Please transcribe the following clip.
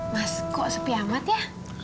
mas kok sepi amat ya